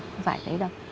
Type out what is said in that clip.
không phải thế đâu